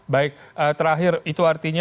baik terakhir itu artinya